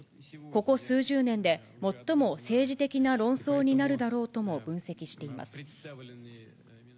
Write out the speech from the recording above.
ここ数十年で最も政治的な論争になるだろうとも分析しています。